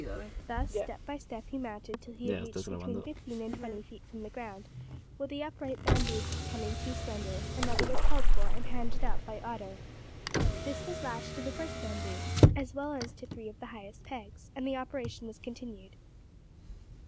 Thus, step by step, he mounted till he had reached between fifteen and twenty feet from the ground, where the upright bamboo becoming too slender, another was called for and handed up by Otto. This was lashed to the first bamboo, as well as to three of the highest pegs, and the operation was continued.